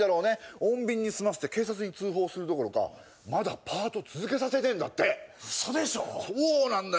穏便に済ませて警察に通報するどころかまだパート続けさせてんだってウソでしょそうなんだよ